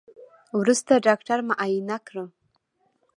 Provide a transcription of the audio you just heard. وروسته ډاکتر معاينه کړم.